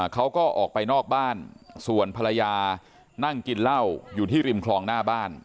เขาก็ออกไปนอกบ้านส่วนภรรยานั่งกินเหล้าอยู่ที่ริมคลองหน้าบ้าน